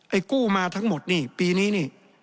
กู้มาทั้งหมดนี่ปีนี้นี่